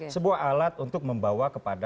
sebuah alat untuk membawa kepada